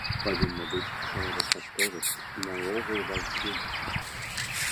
Павінна быць самадастатковасць наогул ва ўсім.